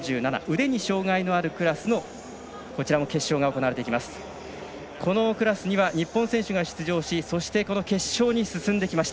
腕に障がいのあるクラスの決勝が行われていきます。